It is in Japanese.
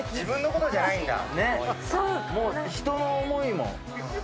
人の思いも。